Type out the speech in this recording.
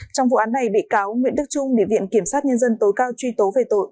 trong vụ án này bị cáo nguyễn đức trung địa viện kiểm sát nhân dân tối cao truy tố về tội